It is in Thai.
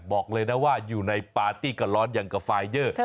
บอกเลยนะว่าอยู่ในปาร์ตี้กับร้อนอย่างกับไฟเยอร์